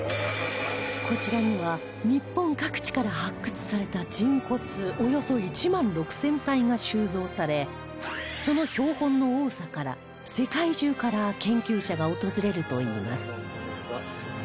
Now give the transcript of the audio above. こちらには日本各地から発掘された人骨およそ１万６０００体が収蔵されその標本の多さから世界中から研究者が訪れるといいます